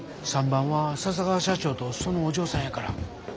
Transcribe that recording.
３番は笹川社長とそのお嬢さんやから。